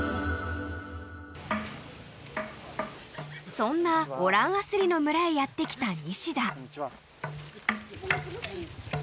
［そんなオラン・アスリの村へやって来たニシダ］